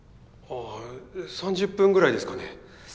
あ３０分ぐらいですかね。